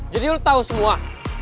jadi lo tau semua